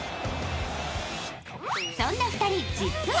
そんな２人、実は。